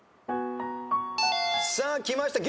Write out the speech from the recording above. さあきました。